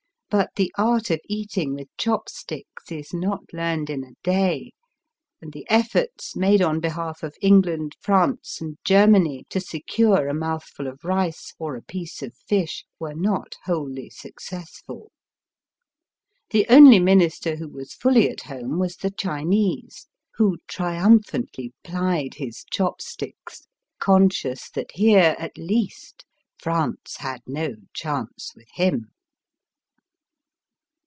But the art of eating with chopsticks is not learned in a day, and the efforts made on behalf of England, France, and Germany to secure a mouthful of rice or a piece of fish were not wholly successful. The only Minister who was fully at home was the Chinese, who triumphantly plied his VOL. I. 16 Digitized by CjOOQ IC 226 EAST BY WEST. chopsticks, conscious that here, at least, France had no chance with him.